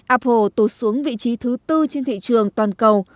apple tổ xuống vị trí thứ tư trên thị trường toàn cầu